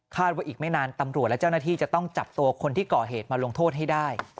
ว่าอีกไม่นานตำรวจและเจ้าหน้าที่จะต้องจับตัวคนที่ก่อเหตุมาลงโทษให้ได้